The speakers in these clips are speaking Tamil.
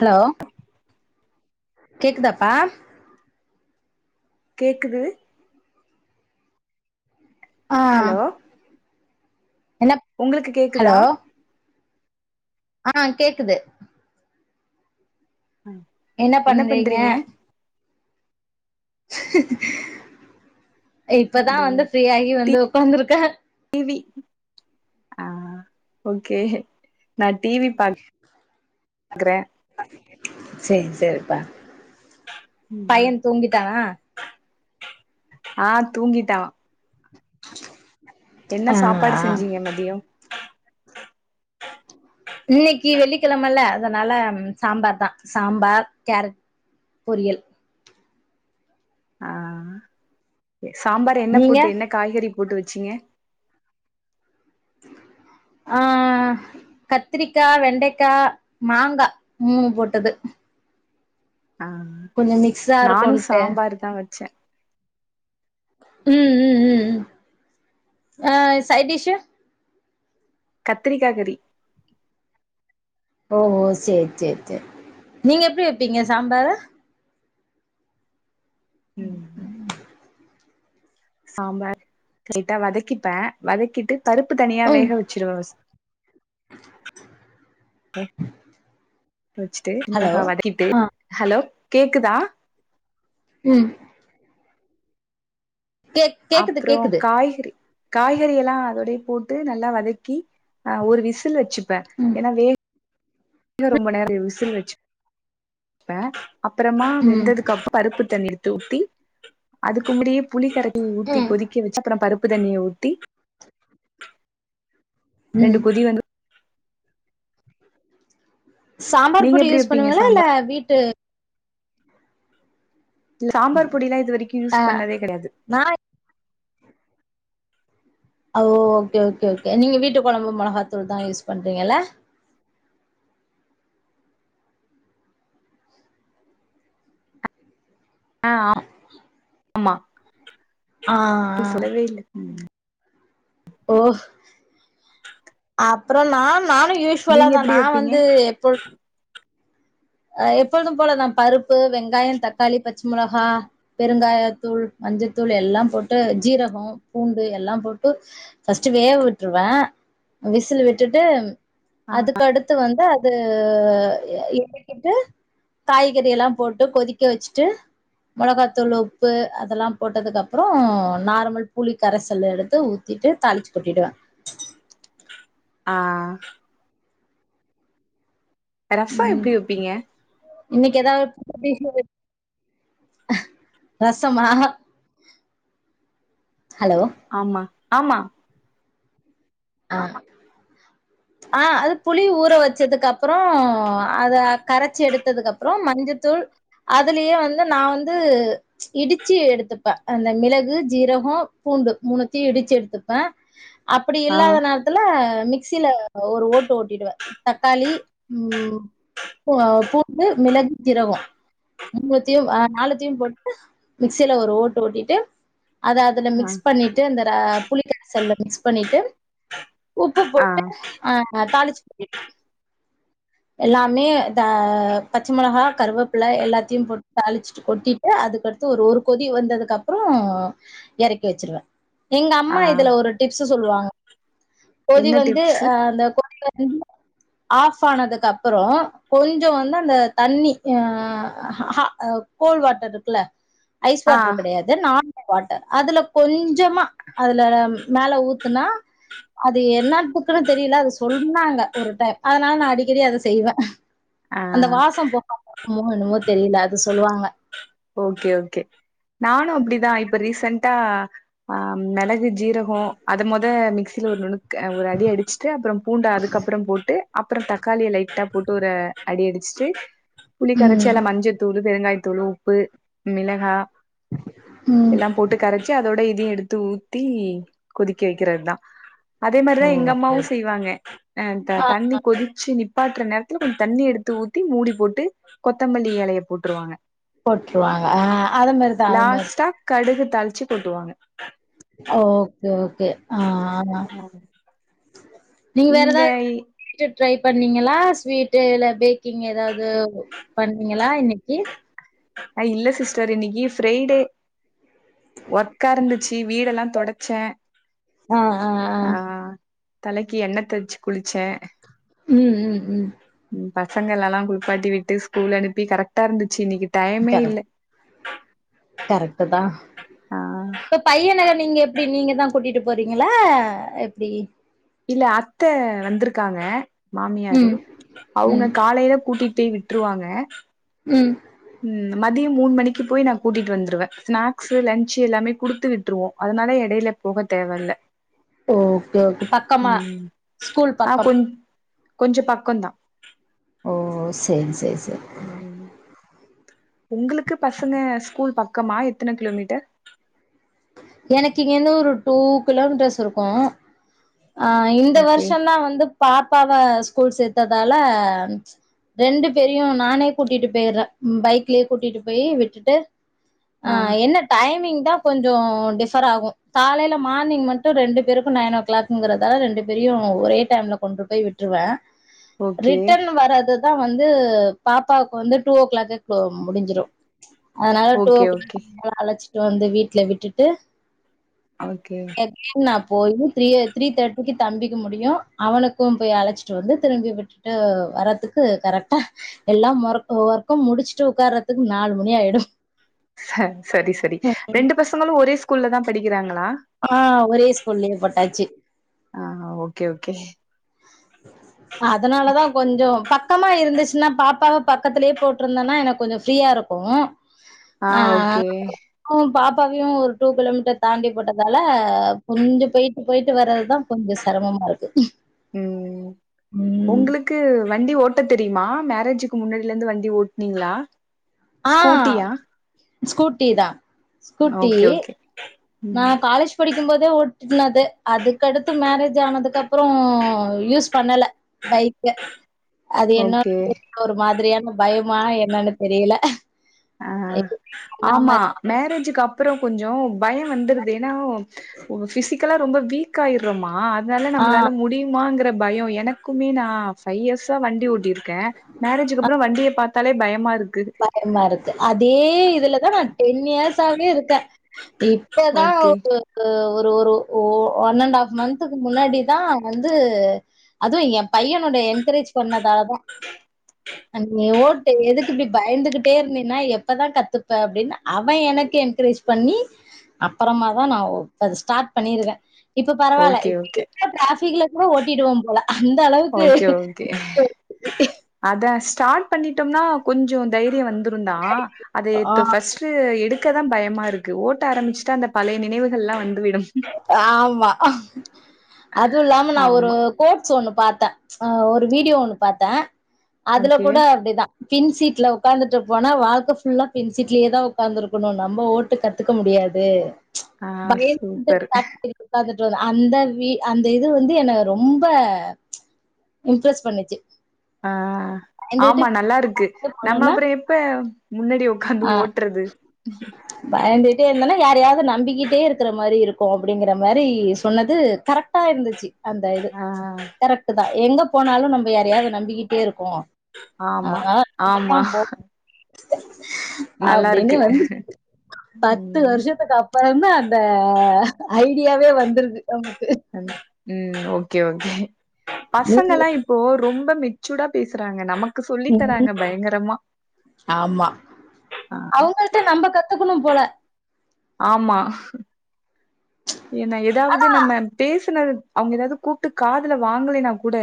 ஹலோ கேக்குதாப்பா கேக்குது ஆ ஹலோ என்ன ஒங்குளுக்கு கேக்குதா ஹலோ ஆ கேக்குது ம் என்ன பண்றீங்க இப்பதா இதோ வந்து ஃப்ரீயாகி வந்து ஒக்காந்துருக்க யுமி ஆ ஓகே நா டிவி பாக்குறே சேரி சேரிப்பா ம் பையன் தூங்கிட்டானா ஆ தூங்கிட்டான் சரி என்ன சாப்பாடு செஞ்சீங்க மதியோ இன்னைக்கி வெள்ளிக்கெழமல்ல அதனால சாம்பார்தா சாம்பார் கேரட் பொரியல் ஆ சாம்பார் என்ன நீங்க போட்டு என்ன காய்கறி போட்டு வச்சீங்க ஆ கத்திரிக்கா வெண்டைக்கா மாங்கா மூணூ போட்டது ஆ கொஞ்சோ நெய் நானு சாம்பார்தா வச்ச ம் ம் ம்‌ ம் அ சைடிஷு கத்திரிக்கா கறி ஓஹோ சேரி சேரி சேரி நீங்க எப்டி வப்பீங்க சாம்பார ம் சாம்பார் கரெட்டா வதக்கிப்ப வதக்கிட்டு பருப்பு தனியா வேக வச்சிருவ‌ ஃபஸ் ம் ம் ‌ வச்சுட்டு ஹலோ மிளகா வதக்கிட்டு ஆ ஹலோ கேக்குதா ம் கேக் கேக்குது அப்றோ கேக்குது காய்கறி காய்கறியலா அதோடே போட்டு நல்லா வதக்கி அ ஒரு விசில் வச்சுப்ப எனா வே க ரொம்ப நேர் டியு உசில் வச்சு ப்ப அப்புறமா ம் வெந்ததுக்கப் பருப்பு தண்ணி எடுத்து ஊத்தி அதுக்கு முடியே புளி கரைப்பு ஊத்தி ம் கொதி க்க வச்சு அப்புறோ பருப்பு தண்ணிய ஊத்தி ரெண்டு ம் கொதி வந்ரு சாம்பார் நீங்க பொடி எப்டி யூஸ் வப்பீங்க பண்ணுவீங்களா இல்ல சாம்பார் வீட்டு சாம்பார் பொடிலா இது வரைக்கு ஆ யூஸ் பண்ணாதே கெடையாது நா அ ஓ ஓகே ஓகே ஒகே‌ நீங்க வீட்டு கொழம்பு மொளகாத்தூள்தா யூஸ் பண்றீங்கல ஆ நீ ஆ சொல்லவே இல்ல ம் ஓ அப்றோ நா நானு யூஸ் நீங்க சொல்லாத எப்டி நா வப்பீங்க வந்து எப்புட் அ எப்பொழுது போலதா பருப்பு வெங்காயோ தக்காளி பச்ச மொளகா பெருங்காயத்தூள் மஞ்சத்தூள் எல்லாம் போட்டு ஜீரகோ பூண்டு எல்லாம் போட்டு ஃபஸ்ட்டு வேக விட்ருவ அ விசில்லு விட்டுட்டு ஆ அதுக்கடுத்து வந்து அது எ எடு ட்டு காய்கறி எல்லாம் போட்டு கொதிக்க வச்சுட்டு மொளகாத்தூள் உப்பு அதெல்லாம் போட்டதுக்கப்புறம் நார்மல் புளி கரைசல் எடுத்து ஊ ஊத்திட்டு தாளிச்சி‌ கொட்டிடுவேன் ஆ ரசம் ம் எப்டி வைப்பீங்க இன்னைக்கு ஏதாவது பேசுங்க ரசமா ஹலோ ஆமா ஆமா அ [inaudible] ஆ அது புளி ஊற வச்சதுக்கு அப்பறோ அத கரைச்சி எடுத்ததுக்கு அப்பறோ மஞ்சத்தூள் அதுலயே வந்து நா வந்து இடிச்சு எடுத்துப்பே அந்த மிளகு ஜீரஹோ பூண்டு மூணுத்தையு இடிச்சு எடுத்துப்பே அப்டி ஆ இல்லாதனா ல மிக்சியில ஒரு ஓட்டு ஓட்டிடுவே தக்காளி ம் பூ பூண்டு மிளகு ஜீரகோ மூணத்தையு அ நாலத்தையு போட்டு மிக்சியில ஒரு ஓட்டு ஓட்டிட்டு அத அதுல ஆ மிக்ஸ் பண்ணிட்டு அந்த ர புளிக்கரசல்ல மிக்ஸ் பண்ணிட்டு உப்பு ஆ போட்டு ஆ தாளிச்சு கொட்டிருவே எல்லாமே தா பச்சை மிளகா கருவேப்பில எல்லாத்தையு போட்டு தாளிச்சு கொட்டிட்டு அதுக்கடுத்து ஒரு ஒரு கொதி வந்ததுக்கு அப்பறோ இறக்கி வச்சிருவே எங்க ஆ அம்மா இதுல ஒரு டிப்ஸ்சு சொல்லுவாங்க கொதி என்ன வந்து டிப்ஸு அ அந்த கொதி வந்து ஆஃப் ஆனதுக்கு அப்பறோ கொஞ்ச வந்து அந்த தண்ணி அ அஹ் கோல்டு வாட்டர் இருக்குல்ல ஐஸ் ஆ வாட்டர் கெடையாது நார்மல் வாட்டர் அதுல கொஞ்சமா அதுல மேல ஊத்துனா அது என்னக்குன்னு தெரில அது சொன்னாங்க ஒரு டைம் அதனால நா அடிக்கடி அத செய்வே ஆ அந்த வாசோ போகாம இருக்குமோ என்னமோ தெரில அது சொல்லுவாங்க ஓகே ஓகே நானு அப்டிதா இப்ப ரீசன்ட்டா ஆ மிளகு ஜீரஹோ அது மொத மிக்சியில ஒரு நுணு க்கு ஒரு அடி அடிச்சுட்டு அப்பறோ பூண்ட அதுக்கப்பறோ போட்டு அப்பறோ தக்காளிய லைட்டா போட் டுற அடி அடிச்சுட்டு புளி ம் கரச்சல்ல மஞ்சள் தூள் பெருங்காய தூளு உ ப்பு மிளகா ம் எல்லா போட்டு கரைச்சி அதோட இதையு எடுத்து ஊத்தி கொதிக்க வைக்கிறது தா அதே ஓ மாரிதா எங்க ஓகே அம்மாவு ஓகே செய்வாங்க அ ஆ தண்ணி கொதிச்சு நிப்பாட்டுற நேரத்துல கொஞ்ச தண்ணி எடுத்து ஊத்தி மூடி போட்டு கொத்தமல்லி எலைய போட்டுருவாங்க போட்டுருவாங்க ஆ அது மாரிதா அது மாரி லாஸ்டா கடுகு தாளிச்சு கொட்டுவாங்க ஓகே ஓகே ஆ ஆ ஆ நீங்க வேற இங்க ஏதாவது [unintelligible] ட்ரை பண்ணீங்களா ஸ்வீட்டு இல்ல பேக்கிங் ஏதாவது பண்ணீங்களா இன்னிக்கி அ இல்ல சிஸ்டர் இன்னிக்கி ஃப்ரைடே ஒர்க்கா இருந் ச்சு வீடெல்லா தொடச்சே ஆ தலைக்கு எண்ண தேச்சி குளிச்சே ம் ம் ம் ம் பசங்களலல்லா குளிப்பாட்டி விட்டு ஸ்கூல் அனுப்பி கரெக்டா இருந்துச்சு இன்னைக்கு டைமே இல்ல கரெக்ட் தா ஆ இப்ப பையன நீங்க எப்டி நீங்கதா கூட்டிட்டு போறீங்களா எப்டி இல்ல அத்த வந்துருக்காங்க மாமியாரு ம் அவங்க ம் காலையில கூட்டிட்போய் விட் ட்ருவாங்க ம் ம் மதியோ மூணு மணிக்கு போய் நா கூட்டிட்டு வந்ருவே ஸ்நாக்ஸ்சு லன்ச்சு எல்லாமே குடுத்து விட்டுருவோ அதனால எடையில போக தேவ இல்ல ஓகே ஓகே பக்கமா ம் ஸ்கூல் ஆ பக்கம் கொஞ் கொஞ்சோ பக்கதா ஓ சேரி சேரி சேரி ம்‌ ம் உங்ளுக்கு பசங்க ஸ்கூல் பக்கமா எத்தன கிலோமீட்டர் எனக்கு இங்கைருந்து ஒரு டூ கிலோமீட்டர்ஸ் இருக்கு அ இந்த ஓகே வர்ஷோதா வந்து பாப்பாவ ஸ்கூல் சேத்ததால ரெண்டு பேரியு நானே கூட்டிட்டு பேய்ட்ற பைக்லியே கூட்டிட்டு பேயி விட்டுட்டு அ ஆ என்ன டைமிங்தா கொஞ்சோ டிஃபர் ஆகு காலைல மார்னிங் மட்டு ரெண்டு பேருக்கு நைன் ஓ கிளாக்ங்றத ரெண்டு பேரயு ஒரே டைம்ல கொண்டு போய் விட்ருவ ஓகே ரிட்டன் வர்றது தா வந்து பாப்பாவுக்கு வந்து டூ‌ ஓ க்ளாக்க க்ளோ முடிஞ்சிறு அதன்னால டூ ஓ ஓகே ஓகே க்ளாக் [unintelligible] அலச்சிட்டு வந்து வீட்ல விட்டுட்டு ஓகே அகெய்ன் நா போய் த்ரீய த்ரீ தேட்டிக்கு தம்பிக்கு முடியு அவனுக்கு போய் அலச்சிட்டு வந்து திரும்பி விட்டுட் ட்டு வர்றதுக்கு கரெக்டா எல்லா மொர்க் ஒர்க்கு முடிச்சுட்டு உக்காரத்துக்கு நாலு மணி ஆயிடு ச சரி சரி ரெண்டு பசங்ளு ஒரே ஸ்கூல்ல தா படிக்றாங்களா ஆ ஒரே ஸ்கூல்லயே போட்டாச்சி ஆ ஓகே ஓகே அதனாலதா கொஞ்சோ பக்கமா இருந்துச்ன்னா பாப்பாவ பக்கத்திலயே போட்ருந்தன்னா எனக்கு கொஞ்சோ ஃப்ரீயா இருக்கு ஆ உ பாப்பாவையு ஒரு டூ கிலோமீட்டர் தாண்டி போட்டதால கொஞ்சோ பெய்ட்டு பெய்ட்டு வர்றதுதா கொஞ்சோ செரமமா இருக்கு ம் ம் உங்ளுக் கு வண்டி ஓட்ட தெரியுமா மேரேஜுக்கு முன்னாடிலந்து வண்டி ஓட்டுனீங்ளா ஆ ஸ்கூட்டி தா ஸ்கூட்டி ஓகே ஓகே நா ம் காலேஜ் படிக்கு போதே ஓட்டுனது அதுக்கடுத்து மேரேஜ் ஆனதுக்கு அப்றோ யூஸ் பண்ணல பைக்கு அது ஓகே என்னன்னு தெரில ஒரு மாதிரியான பயமா என்னன்னு தெரில அ ஆமா மேரேஜுக்கு அப்றோ கொஞ்சோ பயோ வந்துற்து ஏன்னா ஒ ஃபிசிக்கலா ரொம்ப வீக் ஆய்றோமா அனால ஆ நம்மளால முடியுமாங்கற பயோ எ னக்குமே நா ஃபைவ் இயர்ஸ்சா வண்டி ஓட்டிருக்க மேரேஜுக்கு அப்றோ வண்டிய பாத் தாலே பயமா இருக்கு பயமா இருக்கு அதே இதுல நா டென் இயர்ஸ்சாவே இருக்க இப்பதா ஓ ஓகே ஒரு ஒரு ஓ ஒன் அண்ட் ஹாஃப் மந்த்துக்கு முன்னாடிதா வந்து அதுவு என் பையனோட என்கரேஜ் பண்ணதாலதா நீ ஓட்டு எதுக்கு இந்துகிட்டே இருந்தினா எப்பதா கத்துப்ப அப்டின் அவன் எனக்கு என்கரேஜ் பண்ணி அப்றமாதா நா ஒ ஸ்டார்ட் பண்ணிருக்க இப்ப பரவால்ல ஓகே ஓகே எவ்ளோ டிராபிக்ல கூட ஓட்டிடுவோ போல அந்த அளவுக்கு ஓகே ஓகே அத ஸ்டார்ட் பண்ணிட்டோனா கொஞ்சோ தைரிய வந்துருந்தா அத ஆ எத்து ஃபர்ஸ்ட் டு எடுக்கதா பயமா இருக்கு ஓட்ட ஆரம்பிச்சுட்டா அந்த பழய நினைவுகல்லா வந்து விடும் ஆமா அதுவு இல்லாம நா ஒரு ஆமா கோட்ஸ் ஒன்னு பாத்த ஒரு வீடியோ ஒன்னு பாத்த அதுல ஓகே கூட அப்டிதா பின்சீட்ல உக்காந்துட்டு போனா வாழ்க்க ஃபுல்லா பின்சீட்லயேதா உக்காந்துருக்கணு நம்ப ஓட் டு கத்துக்க முடியாது ஆ பயந்து சூப்பர் உக்காந்துட்டு வந்த அந்த வீ அந்த இது வந்து என்ன ரொம்ப இம்ப்ரஸ் பண்ணுச்சு ஆ பயந்துகிட்டு ஆமா நல்லாருக்கு நம்ம போனோம்னா அப்ற எப்ப முன்னாடி உக்காந்து ஆ ஓட்றது பயந்துட்டே இருந்தோனா யாரையாவது நம்பிக்கிட்டே இருக்கிற மாரி இருக்கு அப்டிங்கிற மாரி சொன்னது கரெக்ட் ட்டா இருந்துச்சு அந்த இது ஆ கரெக்ட்தா எங்க போனாலு நம்ம யாரையாவது நம்பிக்கிட்டே இருக்கோ ஆமா ஆமா நல்லா அப்டின்னு இருக்கு வந்து பத்து ம் வருஷத்துக்கு அப் பறந்தா அந்த ஐடியாவே வந்துருக்கு அவனுக்கு ம் ஓகே ஓகே பசங்கல்லா இப்போ ரொம்ப மெர்ச்சூடா பேசுறாங்க நமக்கு சொல்லி தராங்க பயங்கரமா ஆ இத நம்ம கத்துக்கணு போல ஆமா என்ன எதாவது நம்ம பேசுனது அவுங்க எதாவது கூப்ட்டு காதுல வாங்கலன்னா கூட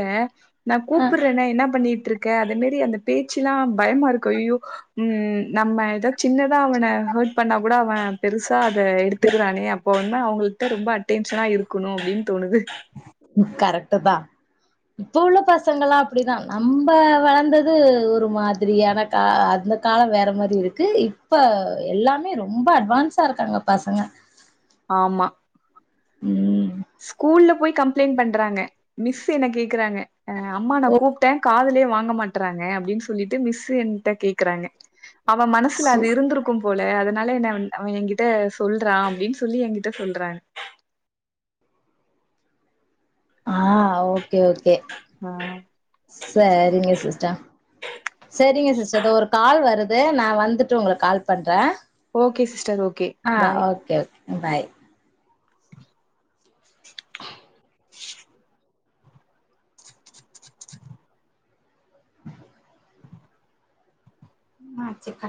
நான் கூப்ட்றன்னே என்ன பண்ணிட்டு இருக்க அதே மாரி அந்த பேச்சிலா பயமா இருக்கு ஐயோ ம் நம்ம எதா சின்னதா அவனை ஹேர்ட் பண்ணா கூட அவன் பெருசா அத எடுத்துக்கிறானே அப்ப இன்னோ அவுங்ககிட்ட ரொம்ப அட்டென்ஷனா இருக்கணு அப்டின் தோணுது கரெக்ட்டு தா இப்ப உள்ள பசங்களா அப்டிதா நம்ம வளர்ந்தது ஒரு மாதிரியான கா அந்த கால வேற மாதிரி இருக்கு இப்ப எல்லாமே ரொம்ப அட்வான்ஸா இருக்காங்க பசங்க ஆமா ம் ஸ்கூல்ல போய் கம்ப்ளைண்ட் பண்றாங்க மிஸ் என்ன கேக்குறாங்க அம்மா நா கூப்ட்ட காதுலயே வாங்க மாட் றாங்க அப்டின் சொல்லிட்டு மிஸ் என்ட்ட கேக்கறாங்க அவ மனசுல சு அது இருந்திருக் க்கும்போல அதனால என்ன அவ அவ என்கிட்ட சொல்றா அப்டின் சொல்லி என்கிட்ட சொல்றாங்க ஆ ஓகே ஓகே நா சரிங்க சிஸ்டர் செரிங்க சிஸ்டர் இதோ ஒரு கால் வருது நா வந்துட்டு உங்களுக்கு கால் பண்ற ஓகே சிஸ்டர் ஓகே ஆ பாய் ஓகே ஓகே பாய் ஆ சிக்கன்